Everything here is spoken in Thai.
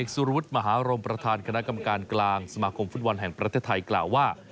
สมาคมฟุตบอลแห่งประเทศไทยกล่าวว่า